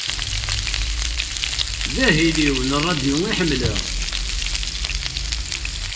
D ahil-iw n ṛadyu i ḥemleɣ.